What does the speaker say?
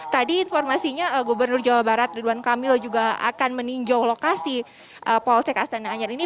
tadi informasinya gubernur jawa barat ridwan kamil juga akan meninjau lokasi polsek astana anyar ini